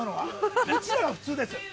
うちらが普通です。